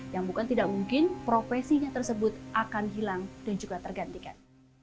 yang bukan tidak mungkin profesinya tersebut akan hilang dan juga tergantikan